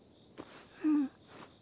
うん。